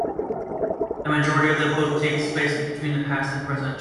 The majority of the book takes place between the past and present.